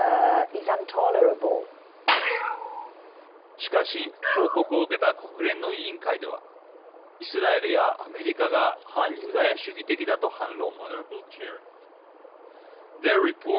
しかし、報告を受けた国連の委員会ではイスラエルやアメリカが反ユダヤ主義的だと反論。